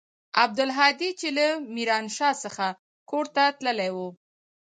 عبدالهادي چې له ميرانشاه څخه کور ته تللى و.